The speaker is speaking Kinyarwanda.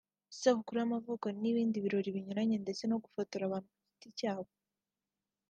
isabukuru y’amavuko n’ibindi birori binyuranye ndetse no gufotora abantu ku giti cyabo